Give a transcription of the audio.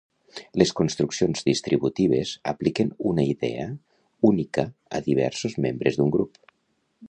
Les construccions distributives apliquen una idea "única" a "diversos" membres d'un grup.